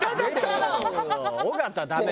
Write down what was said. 尾形ダメ